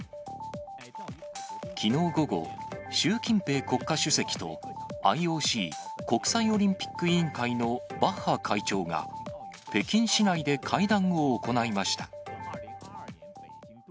きのう午後、習近平国家主席と、ＩＯＣ・国際オリンピック委員会のバッハ会長が、北京市内で会談を行いました。